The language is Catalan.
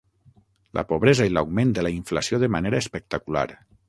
La pobresa i l'augment de la inflació de manera espectacular.